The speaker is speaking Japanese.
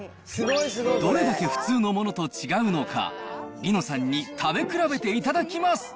どれだけ普通のものと違うのか、梨乃さんに食べ比べていただきます。